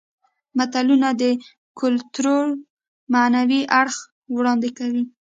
متلونه د کولتور معنوي اړخ وړاندې کوي